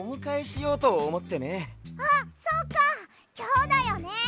あっそうかきょうだよね！